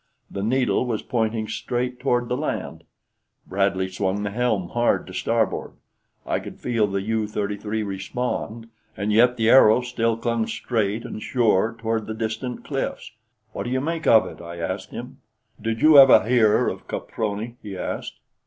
The needle was pointing straight toward the land. Bradley swung the helm hard to starboard. I could feel the U 33 respond, and yet the arrow still clung straight and sure toward the distant cliffs. "What do you make of it?" I asked him. "Did you ever hear of Caproni?" he asked.